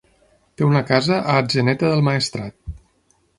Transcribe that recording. Té una casa a Atzeneta del Maestrat.